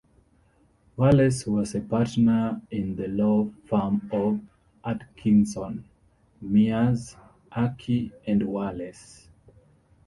Wallace was a partner in the law firm of Atkinson, Myers, Archie and Wallace.